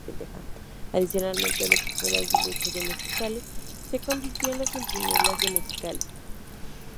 Adicionalmente el equipo de Aguiluchos de Mexicali se convirtió en los Centinelas de Mexicali.